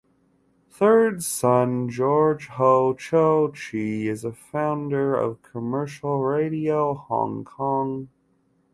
Third son George Ho Cho-chi is a founder of Commercial Radio Hong Kong.